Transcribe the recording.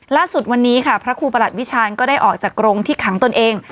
ล่าสุดวันนี้ค่ะพระครูประหลัดวิชาณก็ได้ออกจากกรงที่ขังตนเอง